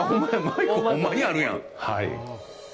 マイク、ほんまにあるやん！